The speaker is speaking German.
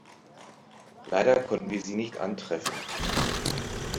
Leider konnten wir Sie nicht antreffen.